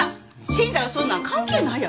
死んだらそんなん関係ないやろ。